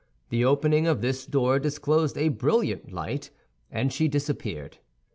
The opening of this door disclosed a brilliant light, and she disappeared.